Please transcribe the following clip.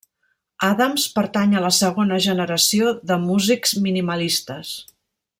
Adams pertany a la segona generació de músics minimalistes.